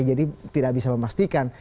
jadi tidak bisa memastikan